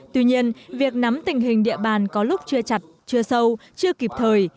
tuy nhiên việc nắm tình hình địa bàn có lúc chưa chặt chưa sâu chưa kịp thời